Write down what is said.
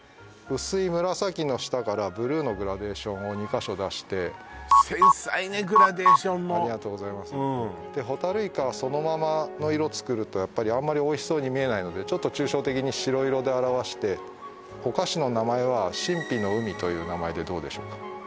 薄い紫の下からブルーのグラデーションを２か所出して繊細ねグラデーションもありがとうございますでホタルイカはそのままの色を作るとやっぱりあんまりおいしそうに見えないのでちょっと抽象的に白色で表してお菓子の名前はという名前でどうでしょうか？